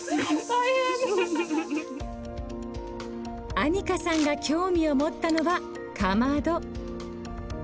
アニカさんが興味を持ったのはかまど。